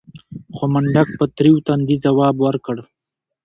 خو منډک په تريو تندي ځواب ورکړ.